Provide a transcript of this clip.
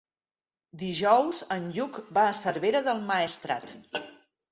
Dijous en Lluc va a Cervera del Maestrat.